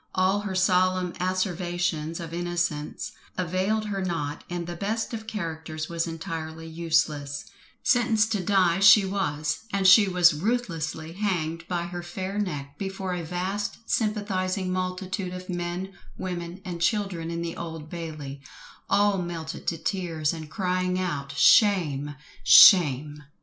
All her solemn asseverations of innocence availed her not, and the best of characters was entirely useless: sentenced to die she was, and she was ruthlessly hanged by her fair neck, before a vast sympathising multitude of men, women, and children in the Old Bailey, all melted to tears, and crying out "shame," "shame!"